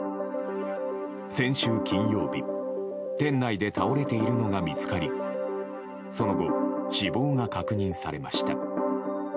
先週金曜日店内で倒れているのが見つかりその後、死亡が確認されました。